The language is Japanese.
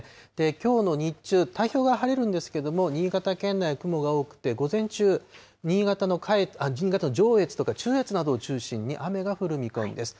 きょうの日中、太平洋側、晴れるんですけども、新潟県内、雲が多くて、午前中、新潟の上越とか中越などを中心に雨が降る見込みです。